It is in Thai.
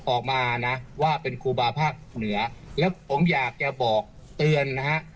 ออกมานะว่าเป็นครูบาภาคเหนือแล้วผมอยากจะบอกเตือนนะฮะ